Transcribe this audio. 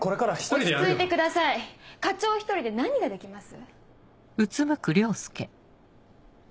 落ち着いてください課長１人で何ができます？